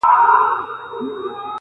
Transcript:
گراني شاعري دغه واوره ته.